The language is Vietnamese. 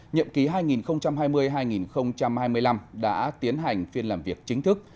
nhậm ký hai nghìn hai mươi hai nghìn hai mươi năm đã tiến hành phiên làm việc chính thức